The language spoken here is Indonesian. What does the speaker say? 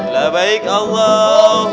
la baik allahumma la baik